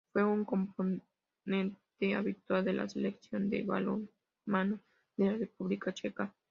Fue un componente habitual de la Selección de balonmano de la República Checa.